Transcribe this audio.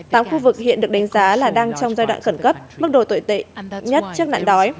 tám khu vực hiện được đánh giá là đang trong giai đoạn khẩn cấp mức độ tồi tệ nhất trước nạn đói